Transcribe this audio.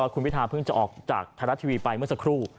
คุณพิธาเพิ่งจะออกจากไทยรัฐทีวีไปเมื่อสักครู่